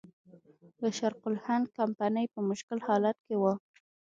د شرق الهند کمپنۍ په مشکل حالت کې وه.